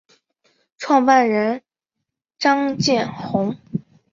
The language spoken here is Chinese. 创办人张建宏。